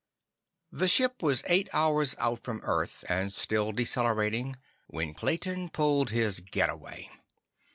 The ship was eight hours out from Earth and still decelerating when Clayton pulled his getaway.